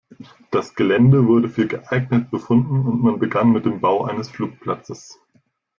Das Gelände wurde für geeignet befunden und man begann mit dem Bau eines Flugplatzes.